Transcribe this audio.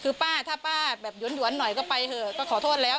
คือป้าถ้าป้าแบบหยวนหน่อยก็ไปเถอะก็ขอโทษแล้ว